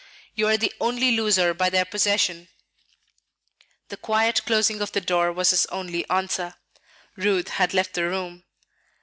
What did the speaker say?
You are the only loser by their possession." The quiet closing of the door was his only answer. Ruth had left the room.